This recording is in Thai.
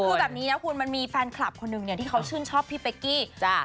คือแบบนี้นะคุณมันมีแฟนคลับคนหนึ่งเนี่ยที่เขาชื่นชอบพี่เป๊กกี้จ้ะ